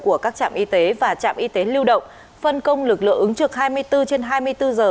của các trạm y tế và trạm y tế lưu động phân công lực lượng ứng trực hai mươi bốn trên hai mươi bốn giờ